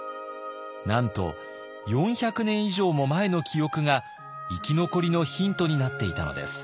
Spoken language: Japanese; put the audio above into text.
なんと４００年以上も前の記憶が生き残りのヒントになっていたのです。